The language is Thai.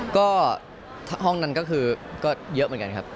ก็ห้องนั้นก็คือก็เยอะเหมือนกันครับ